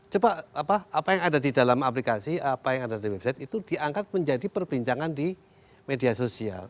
coba apa yang ada di dalam aplikasi apa yang ada di website itu diangkat menjadi perbincangan di media sosial